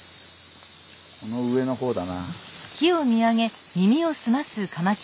この上の方だな。